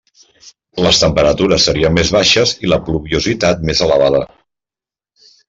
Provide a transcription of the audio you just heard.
Les temperatures serien més baixes i la pluviositat més elevada.